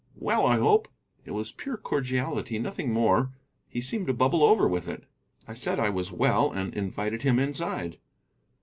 "Well, I hope." It was pure cordiality, nothing more. He seemed to bubble over with it. I said I was well, and invited him inside.